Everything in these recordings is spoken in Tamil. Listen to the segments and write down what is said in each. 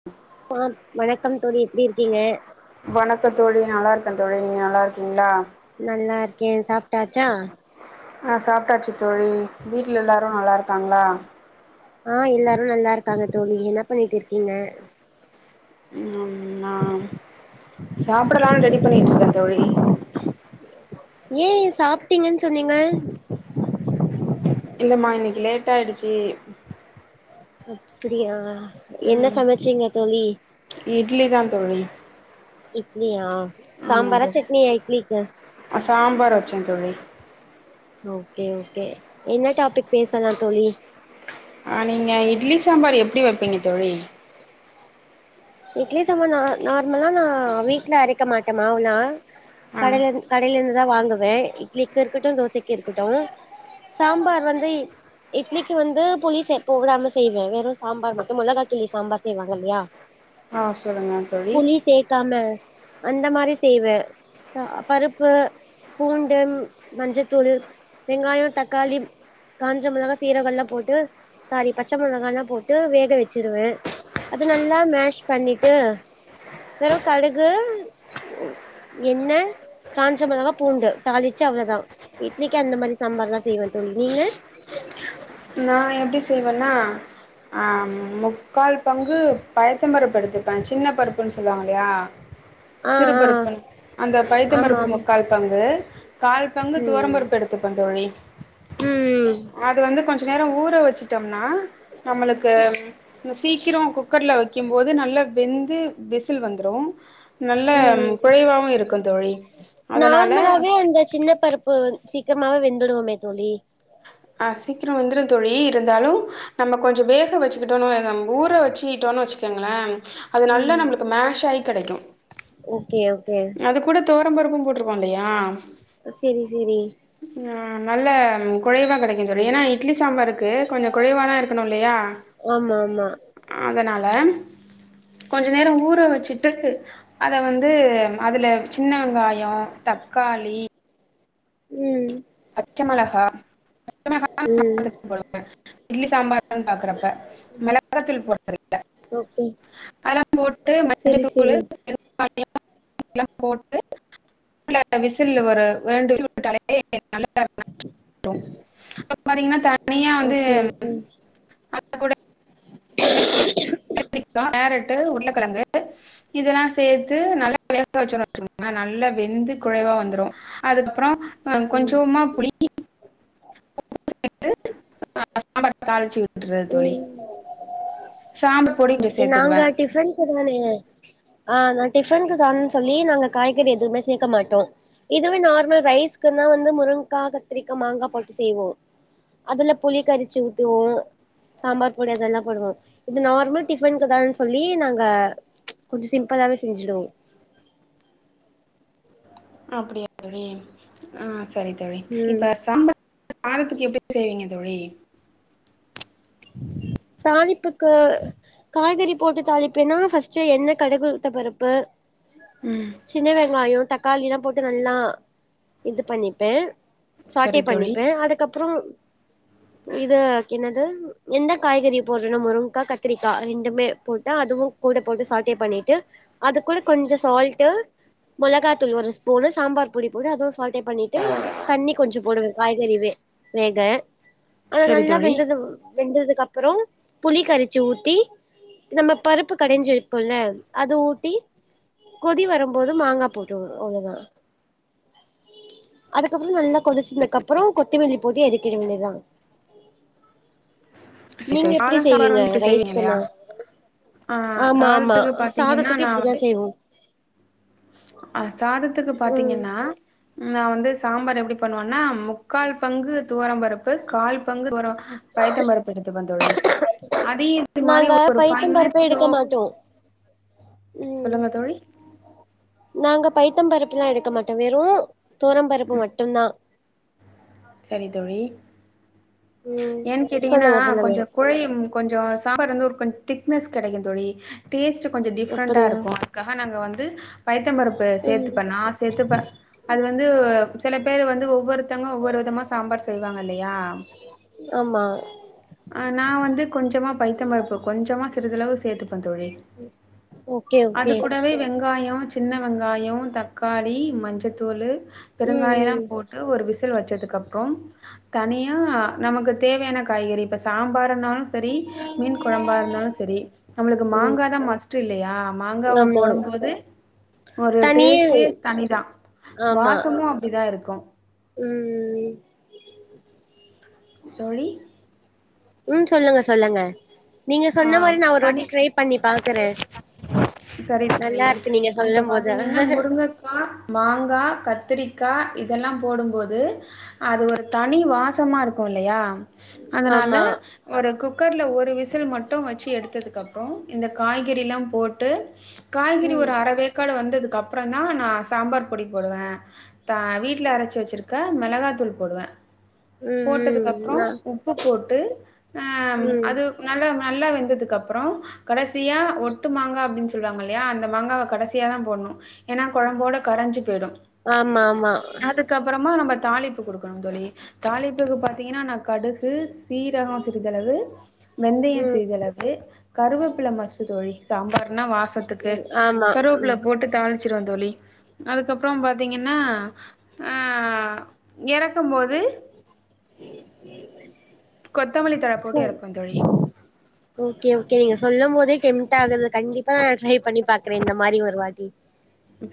[inaudible] வணக்கம் தோழி எப்டி இருக்கீங்க வணக்க தோழி நல்லா இருக்கே தோழி நீங்க நல்லா இருக்கீங்ளா நல்லா இருக்கே சாப்டாச்சா ஆ சாப்டாச்சு தோழி வீட்ல எல்லாரு நல்லா இருக்காங்ளா ஆ எல்லாரு நல்லா இருக்காங்க தோழி என்ன பண்ணிட் இருக்கீங்க ம் நா [inaudible] சாப்பிடலான் ரெடி பண்ணிட்ருக்கே தோழி [inaudible] ஏ சாப்டிங்கன் சொன்னீங்க இல்லமா இன்னைக்கு லேட் ஆயிடுச்சு அப்பிடியா என்ன ம் சமச்சீங்க தோழி இட்லி தான் தோழி இட்லியா சாம்பாரா சட்னியா இட்லிக்கு அ சாம்பார் வச்சே தோழி தோ கே ஓகே என்ன டாபிக் பேசலா தோழி ஆ நீங்க இட்லி சாம்பார் எப்டி வப்பீங்க தோழி இட்லி சாம்பார் நா நார்மலா நா வீட்ல அரைக்க மாட்டே மாவுலா ஆ கடைலந் கடைலருந்துதா வாங்குவே இட்லிக்கு இருக்கட்டு தோசைக்கி இருக்கட்டு சாம்பார் வந்து இட்லிக்கு வந்து புளி சேர் போடாம செய்வே வெறு சாம்பார் மட்டு மொளகா கிள்ளி சாம்பார் செய்வாங்க இல்லையா ஆ சொல்லுங்க தோழி புளி சேக்காம அந்த மாரி செய்வே சா பருப்பு பூண்டும் மஞ்சத்தூளு வெங்காயோ தக்காளி காஞ்ச மிளகா சீரகொல்லா போட்டு சாரி பச்ச மிளகால்லா போட்டு வேக வெச்சுருவே அது நல் லா மேஷ் பண்ணிட்டு வெறு கடுகு எண்ண காஞ்ச மிளகா பூண்டு தாளிச்சி அவ்ளதா இட்லிக்கு அந்த மாரி சாம்பார் தா செய்வே தோழி நீங்க நா எப்டி செய்வன்னா ஆ முக்கால் பங்கு பயத்தம் பருப்பு எடுத்துப்பே சின்ன பருப்புன் சொல்லுவாங்கலையா ஆ சிறு ஆ பருப்புன் அந்த பயத்தம் ஆமா பருப்பு ஆமா முக்கால் பங்கு கால்பங்கு துவரம் பருப்பு எடுத் துப்பே தோழி உம் அது வந்து கொஞ்ச நேரோ ஊற வச்சுட் டம்னா நம்மளுக்கு சீக்கிரோ குக்கர்ல வைக்கும்போது நல்ல வெந்து விசில் வந்துரு நல்ல ம் குழைவாவு இருக்கு தோழி அதனால நார்மலாவே அந்த சின்ன பருப் பான் சீக்கிரமாவே வெந்துடுவமே தோழி ஆ சீக்கிரோ வெந்துரு தோழி இருந்தாலு நம்ம கொஞ்சோ வேக வச்சுக்கிட்டோன் வை நம் ஊற வச்சிகிட்டோன் வச்சிக்கோங்களே அது நல்லா ம் நம்மளுக்கு மேஷ் ஆயி கெடைக்கு ஓகே ஓகே அதுக்கூட துவரம்பருப்பு போட்ருவோ இல்லையா அ செரி செரி நா நல்ல குழைவா கெடைக்கு தோழி ஏனா இட்லி சாம்பாருக்கு கொஞ்சோ குழைவாதா இருக்கணு இல்லையா ஒஆமா ஆமா அதனால கொஞ்ச நேரோ ஊற வச்சுட்டு அத வந்து அதுல சின்ன வெங்காயோ தக்காளி ம் ச்ச மெளகா ம் [unintelligible] இட்லி சாம்பார் குன் பாக்குறப்ப மெளகாத்தூள் போட் [unintelligible] ஓகே அதெல்லா போட்டு செரி மஞ்சத்தூளு செரி [unintelligible] விசில் ஒரு ரெண்டு [unintelligible] பறீங்னா தன் ஓகே ஓகே கூட [unintelligible] [unintelligible] கேரட்டு உருளக்கெழங்கு இதெல்லா சேத்து நல்லா வேக வச்சோன் வச்சுக்கோங்ளே நல்லா வெந்து குழைவா வந்துரு அதுக்கப்றோ அ கொஞ்சோமா புளி [inaudible] [inaudible] சாம்பார் தாளிச்சு விட்றது ம் தோழி சாம்பு பொடி இங்க சேத்துக்குவ இதானே அ நா டிஃபன்க்கு காணுன் சொல்லி நாங்க காய்கறி எதுவ்மே சேக்க மாட்டோ இதுவே நார்மல் ரைஸ்க்குந்தா வந்து முருங்கா கத்ரிக்க மாங்கா போட்டு செய்வோ அதுல புளி கரிச்சி ஊத்துவோ சாம்பார் பொடி அதல்லா போடுவோ இது நார்மல் டிஃபன்க்கு தானன் சொல்லி நாங்க கொஞ்ச சிம்பளாவே செஞ்சிடோ அப்புடியா தொழி அ சரி தொழி ம் இப்ப சாம்ப சாதத்துக்கு எப்டி செய்வீங்க தோழி தாளிப்புக்கு காய்கறி போட்டு தாளிப்பேன்னா ஃபர்ஸ்ட் எண்ண கடுகுளுத்த பருப்பு ம் சின்ன வெங்காயோ தக்காளிலா போட்டு நல்லா இது பண்ணிப்பே சாட்டே சரி தோழி பண்ணிப்பே அதுக்கப்புறோ இத என்னது எந்த காய்கறி போட்றனோ முருங்க்கா கத்துரிக்கா ரெண்டுமே போட்ட அதுவு கூட போட்டு சாட்டே பண்ணிட்டு அது கூட கொஞ்ச சால்ட்டு மொளகா தூள் ஒரு ஸ்பூனு சாம்பார் புடி போட்டு அதுவு சால்ட்டே பண்ணிட்டு தண்ணி கொஞ்ச போடுவே காய்கறி வே வேக அத சரி நல்லா தோழி வெந்ததுவு வெந்ததுக்கு அப்புறோ புளி கரிச்சி ஊத்தி நம்ம பருப்பு கடைஞ்சிருப்போல்ல அது ஊட்டி கொதி வரம்போது மாங்கா போட்டுவோ அவ்ளோதா அதுக்கப்புற நல்லா கொதிச்சதுக் அப்புறோ கொத்திமல்லி போட்டி எரிக்கிட வேண்ட்யதா சரி நீங்க சரி எப்புடி சாதம் சாம்பார் செய்வீங்க வந்து இப்படி செய்வீங்க இல்லையா ரைஸ்கனா ஆ ஆமா ஆமா சாதத்துக்கு பாத்தீங்கன்னா சாதத்துக்கு நா இப்பிடிதா வந்து செய்வோ அ சாதத்துக்கு ம் பாத்தீங்கன்னா நா வந்து சாம்பார் எப்புடி பண்ணுவன்னா முக்கால் பங்கு துவரம் பருப் பு கால் பங்கு துவரோ பயத்தம் பருப் எடுத்துப்ப தோழி அதியு இது மாரி நாங்க ஒரு ஃபை பைத்தம் பருப்பே மினிட்ஸோ எடுக்க மாட்டோ ம் சொல்லுங்க தோழி நாங்க பைத்தம் பருப்புலா எடுக்க மாட்டோ வெறு தோரம் பருப்பு மட்டுந்தா சரி தோழி ம் ஏன் கேட்டீங்கனா சொல்லுங்க சொல்லுங்க கொஞ்சோ குழையும் கொஞ்சோ சாப்பார் வந்து ஒரு கொஞ் திக்னஸ் கெடக்கு தோழி டேஸ்ட்டு கொஞ்ச டிஃப்ரண்ட்டா அப்படியா இருக்கு அ கஹ நாங்க வந்து பைத்தம் பருப்பு ம் சேத்துப்ப நா சேத்துப்ப அது வந்துவ் செல பேரு வந்து ஒவ்வொருத்தங்க விதமா சாம்பார் செய்வாங்க இல்லயா ஆமா அ நா வந்து கொஞ்சமா பைத்தம் பருப்பு கொஞ்சமா சிறிதளவு சேத்துப்ப தொழி ஓகே அது ஓகே கூடவே வெ எங்காயோ சின்ன வெங்காயோ தக்காளி மஞ்சத்தூளு ம் பெருங்காயலா ம் போட் க ஒரு விசில் வச்சதுக்கப்றொம் தனியா நமக்கு தேவையான காய்கறி இப்ப சாம்பாருனாலு செரி மீன் கொழம்பா இருந்தாலு செரி நம்மளுக்கு ம் மாங்கா தா மஸ்ட்டு இல்லையா மாங்காவ ஆமா போடம் போது ஒரு தனியே டேஸ்ட்டே தனிதா வாசமு அப்டிதா இருக்கு ம் ம் தோழி ம் சொல்லுங்க சொல்லுங்க நீங்க ஆ சொன்ன மாரி நா ஒரு வாட்டி ட்ரை பண்ணி பாக்குற தரி தோழி இப்ப சொல்லும் போது பாத்தீங்கன்னா முருங்கக் பார் மாங்கா கத்துரிக்கா இதல்லா போடும்போது அது ஒரு தனி வாசமா இருக் கோ இல்லயா அதனால ஆமா ஒரு குக்கர்ல ஒரு விசில் மட் ட்டு வச்சு எடுத்ததுக்கு அப்றொ இந்த காய்கறிலா போட்டு காய்கறி ம் ம் ஒரு அறவேக் க்காடு வந்ததுக்கு அப்றொந் தா நா சாம்பார் பொடி போடுவே த வீட்ல அரச்சு வச்சுருக்க மெளகாத்தூள் போடுவே ம் போட்டதுக்கப்றொ நா உப்பு போட்டு அ ம் அது நல்ல நல்லா வெந்ததுக்கு அப்றொ கடசியா ஒட்டுமாங்கா அப்டின் சொ சொல்வாங்க இல்லையா அந்த மங்காவ கடசியா தா போட்னு ஏன்னா கொழம்போட கரஞ்சு போய்டு ஆமா ஆமா அது கப்பறமா நம்ப தாலிப்பு குடுக்கணுங் தோழி தாலிப்புக்கு பாத்திங்கன்னா நா கடுகு சீரகொ சிறிதளவு வெந்தயொ ம் சிறிதளவு கருவப்பில மஸ்ட்டு தோழி சாம்பார்னா வாசத்துக்கு ஆமா கருவப்புல ம் போட்டு தாளிச்சிருவந் தோழி அதுக்கப்றொம் பாத்தீங்கன்னா ஆ எறக்கும் போது கொத்தமல்லி தழ போட்டு சொல் எறக்குவே தோழி ஓகே ஓகே நீங்க சொல்லும் போதே டெம்ட்டாகுது கண்டிப்பா நா ட்ரை பண்ணி பாக்குறே இந்த மாரி ஒரு வாட்டி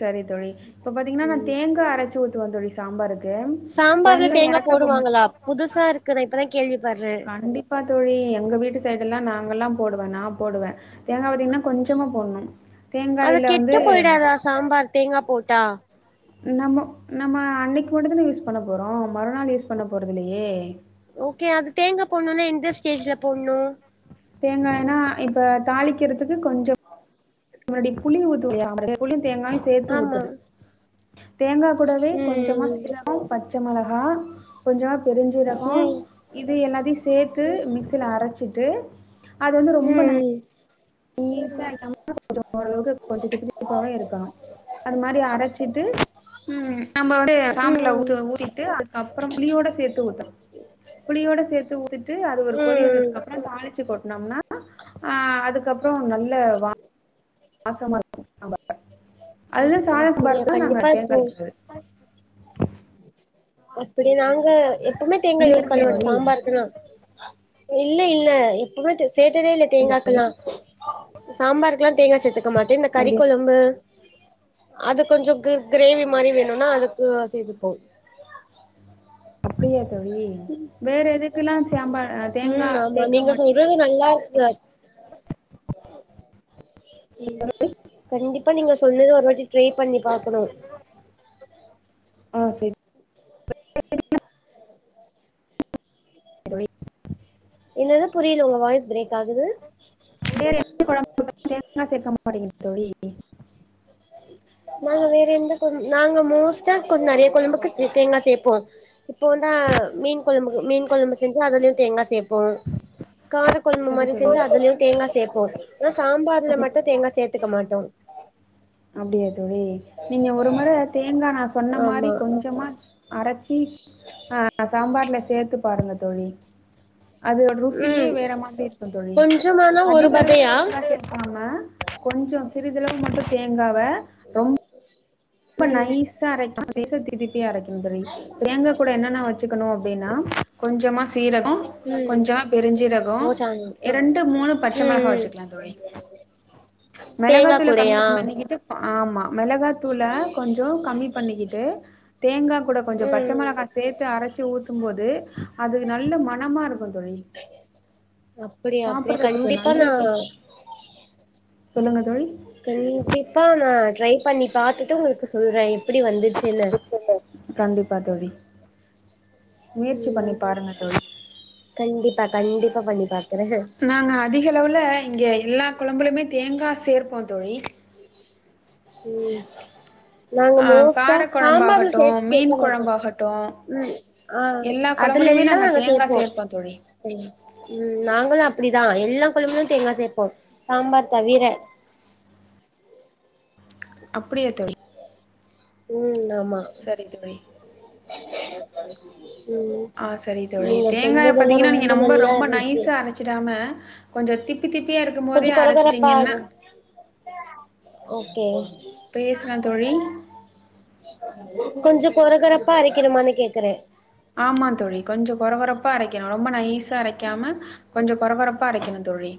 சரித் தொழி இப்ப பாத்திங்கன்னா நா ம் தேங்கா அரச்சு ஊத்துவ தொழி சாம்பாருக்கு சாம்பார்ல ஃபைனலா தேங்கா எறக்கப்போம் போடுவாங்களா போது புதுசா இருக்கு நா இப்பதா கேள்விப்பட்றே கண்டிப் பாத்தோழி எங்க வீட்டு சைடுல்லா நாங்கல்லா போடுவே நா போடுவே தேங்கா பாத்திங்கன்னா கொஞ்சமா போடணு தேங்காயில வந்து தேங்காப் போட்டா நம்மொ நம்ம அன்னக்கி மட்டுந்தான யூஸ் பண்ண போறோ மறுநாள் யூஸ் பண்ண போறதில்லையே ஓகே அது தேங்கா போட்ணுனா எந்த ஸ்டேஜ்ல போட்ணும தேங்காய்னா இப்ப தாளிக்கிறதுக்கு கொஞ்சொ மறுடி புளி ஊத்துவோலியா [inaudible] புளி தேங்காயு சேத்து ஆமா ஊத்தர்து தேங்கா கூடவே கொஞ்சமா ம் சீர கொ பச்ச மெளகா கொஞ்சமா பெருஞ்சீரகொ ம் ம் இது எல்லாத்தயு சேத்து மிக்சில அரச்சிட்டு அது வந்து ரொம்ப ம் நை ம் நைசா அரைக்காம கொஞ்ச ஓரளவுக்கு கொஞ்சொ திப்பி திப்பாவே இருக்கணு அது மாரி அரச்சிட்டு ம் நம்ப வந்து ம் சாம்பர்ல ம். ஊத்து ஊத்திட்டு அப்பறொம் புளியோட சேத்து ஊத்த புளியோட சேத்து ஊத்திட்டு அது ஒரு கொதி ம் வந்ததுக்கு அப்றொ தாளிச்சு கொட்னம்னா அ அதுக் கப்றொ நல்ல வா வாசமா இருக்கு சாம்பார் ம் அதுதா சாத அப்படியா சம்பாருக்கு தா நாங்க கண்டிப்பா இப்போ தேங்கா வெக்கிறது அப்புடி நாங்க எப்பவுமே தேங்கா யூஸ் பண்ண மாட்டோ சாம்பாருக்குன்னா இல்ல இல்ல எப்பமே து சேத்ததே இல்ல தேங்காக்குல்லா சாம்பார்க்லா தேங்கா சேத்துக்க மாட்டேன் இந்த கறிக் அப்படியே கொலம்பு அது கொஞ்சோம் கி கிரேவி மாரி வேணுன்னா அதுக்கு சேதுப்போ அப்டியா தோழி வேற எதுக்குலா சாம்பா தேங்கா சேக்க மாட் ஒருது நல்லா இருக்கா ம் கண்டிப்பா நீங்க சொன்னது ஒரு வாட்டி ட்ரைப் பண்ணி பாக்கணு ஆ சரி தோழி என்னது புரியில உங்க வாய்ஸ் பிரேக்காகுது வேற எந்த கொழம்பு [inaudible] நாங்க வேற எந்த கொழம் நாங்க மோஸ்ட்டா கொஞ் நெறையா கொழம்புக்கு தேங்கா சேப்போ இப்போ வந்தா மீன் கொழம்புக் மீன் கொழம்பு செஞ்சா அதுலயு தேங்கா சேப்போ காரக் கொழம்பு சரி மாரி செஞ்சா தோழி அதுலயு தேங்கா சேப்போ அனா சாம்பார்ல மட்டு தேங்கா சேத்துக்க மாட்டோ அப்டியா தோழி நீங்க ஒரு மொற தேங்கா நா சொன்ன மாரி ஆமா கொஞ்சமா அரச்சி அ சாம்பார்ல சேத்துப் பாருங்க தோழி அதோட ருசியே ம் வேற மாத்ரி இருக்கு தோழி கொஞ்சமானா ஒரு அதிகளவு பதையா க்காம கொஞ்சோ சிறிதளவு மட்டு தேங்காவ [unintelligible] ரொம்ப ம் நைசா அரைக்காம லேசா திப்பி திப்பியா அர தோழி தேங்கா கூட என்னென்ன வச்சுக்கணு அப்டின்னா கொஞ்சமா சீரகோ ம் கொஞ்சமா பெருஞ்சீரகோ ஓச்சானு ம் இரண்டு மூணு பச்ச ம் மெளகா ம் வச்சுக்கலா தோழி [unintelligible] தேங்கா மெளகாத்தூள கம்மி கூடயா பண்ணிகிட்டு ஆமா மெளகாத்தூள கொஞ்சோ கம்மி பண்ணிக்கிட்டு தேங்கா கூட கொஞ்சோ பச்ச ம் மிளகா சேத்து அரச்சு ஊத்தும் போது அது நல்லா மனமாருக்கு தோழி அப்டியா அப்டியா சாப்பிட்றதுக்கு கண்டிப்பா நல்ல நா ருஸ் சொல்லுங்க தோழி கண்டிப்பா நா ட்ரை பண்ணி பாத்துட்டு உங்களுக்கு சொல்றே எப்புடி வந்துச்சுன்னு சூப்பர் கண்டிப்பா தோழி முயற்சி பண்ணி ம் பாருங்க தோழி. கண்டிப்பா கண்டிப்பா பண்ணி பாக்குறே நாங்க அதிகலவுல இங்க எல்லா கொழம்புலமே தேங்கா சேர்ப்போ தோழி ம் நாங்க ஆ மோஸ்டா கார சாம்பார்ல குழம்பாகட்டும் சேக் மீன் சேக்க மாட்டோ குழம்பாகட்டும் ம் ஆ எல்லா அதுல குழம்புலயுமே நாங்க இல்லா தேங்கா சேப்போ சேர்ப்போம் தோழி ம் நாங்களு அப்டிதா எல்லா குழம்ளயு தேங்கா சேப்போ சாம்பார் தவிர அப்டியா தோழி ம் ஆமா சரி தோழி [unintelligible] ஆ சரி தோழி நீங்க தேங்காய சொன்னதெல்லா பாத்தீங்கன்னா நீங்க ரொம்ப நொம்ப நல்லா ரொம்ப இருந்துச்சு நைசா அர ச்சிராம கொஞ்சோ திப்பி திப்பியா இருக்கு போதே கொஞ்சோ கொர கொரப்பா அரச்சிட்டீங்கன்னா ஓகே பேஸ்ன தோழி கொஞ்சோ கொர கொரப்பா அரைக்கணுமானு கேக்குரே ஆமா தோழி கொஞ்சோ கொர கொரப்பா அரைக்கணு ரொம்ப நைஸா அரைக்காம கொஞ்சோ கொர கொறப்பா அரைக்கணு தோழி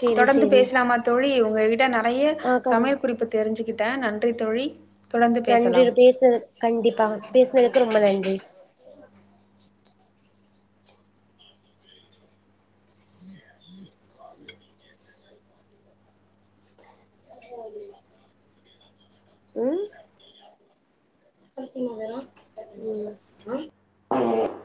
சேரி தொடர்ந்து சேரி பேஸ்லாமா தோழி உங்க கிட்ட நறைய ஆ கண் சமையல் குறிப்பு தெரிஞ்சுக்கிட்ட நன்றி தோழி தொடர்ந்து நன்றி பேசலாம். பேசினது கண்டிப்பா பேசினதுக்கு ரொம்ப நன்றி ம் குளிப்பீங்களா அது ஆ